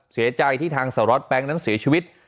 เสียใจที่ทางสารวัตรแป๊งนั้นเสียชีวิต